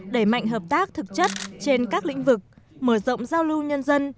đẩy mạnh hợp tác thực chất trên các lĩnh vực mở rộng giao lưu nhân dân